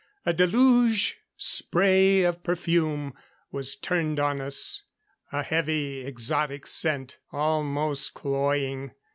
A deluge spray of perfume was turned on us a heavy, exotic scent, almost cloying.